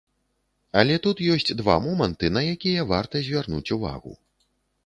Але тут ёсць два моманты, на якія варта звярнуць увагу.